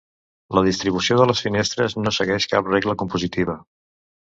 La distribució de les finestres no segueix cap regla compositiva.